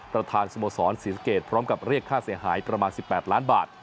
ประธานสโมสรศรีสะเกดพร้อมกับเรียกค่าเสียหายประมาณ๑๘ล้านบาท